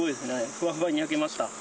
ふわふわに焼けました